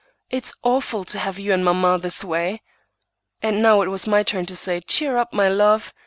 It's awful to have you and mamma this way!" And now it was my turn to say, "Cheer up, my love!